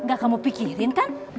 gak kamu pikirin kan